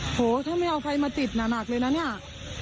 โหถ้าไม่เอาใครมาติดหนักเลยนะเนี่ย